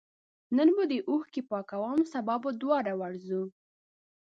نن به دي اوښکي پاکوم سبا به دواړه ورځو